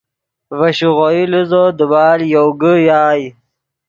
ڤے شیغوئی لیزو دیبال یوگے یائے